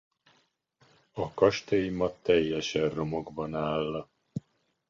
A kastély ma teljesen romokban áll.